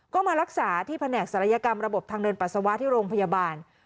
ก็มารักษาที่แผนกศัลยกรรมระบบทางเดินปัสสาวะที่โรงพยาบาล